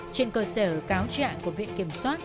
trên cơ sở cáo trạng của viện kiểm soát